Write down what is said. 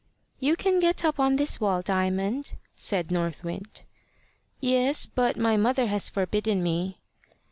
"You can get up on this wall, Diamond," said North Wind. "Yes; but my mother has forbidden me."